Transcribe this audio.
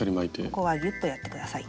ここはギュッとやって下さい。